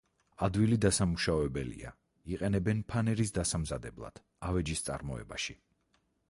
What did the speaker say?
ადვილი დასამუშავებელია, იყენებენ ფანერის დასამზადებლად, ავეჯის წარმოებაში.